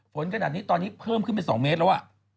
ฝนขนาดนี้ตอนนี้เพิ่มขึ้นไป๒เมตรแล้ว